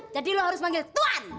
jadi lo harus manggil tuan